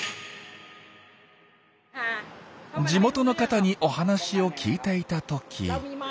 地元の方にお話を聞いていた時。